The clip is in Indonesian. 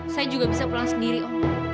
saya juga bisa pulang sendiri om